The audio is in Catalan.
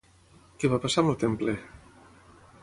Què va passar amb el temple?